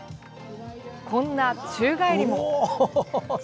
こんな宙返りも！